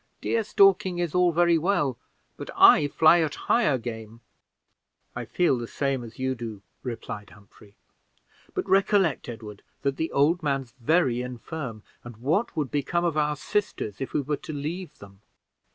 Deer stalking is all very well, but I fly at higher game." "I feel the same as you do," replied Humphrey: "but recollect, Edward, that the old man's very infirm, and what would become of our sisters if we were to leave them?"